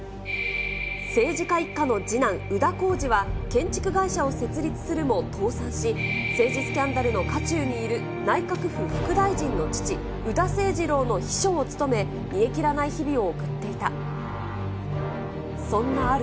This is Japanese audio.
政治家一家の次男、宇田晄司は建築会社を設立するも倒産し、政治スキャンダルの渦中にいる内閣府副大臣の父、宇田清治郎の秘書を務め、煮えきらない日々を送っていた。